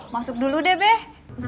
masuk dulu deh